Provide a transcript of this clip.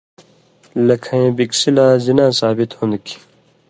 لَکھَیں بِکسی لا زِنا ثابِت ہون٘د کھیں